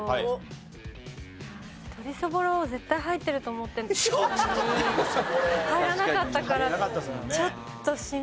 鶏そぼろ絶対入ってると思ってたのに入らなかったから。